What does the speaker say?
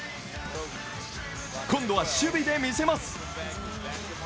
今度は守備で見せます。